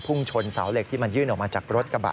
ชนเสาเหล็กที่มันยื่นออกมาจากรถกระบะ